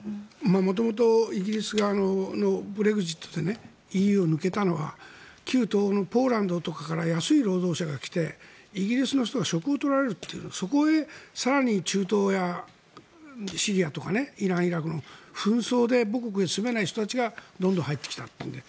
元々、イギリスがブレグジットでＥＵを抜けたのは旧東欧のポーランドとかから安い労働者が来てイギリスの人が職を取られるというそこへ更に中東やシリアとかイラン、イラクの紛争で母国に住めない人たちがどんどん入ってきたというので。